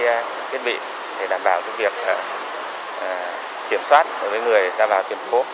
các thiết bị để đảm bảo việc kiểm soát với người ra vào tuyển phố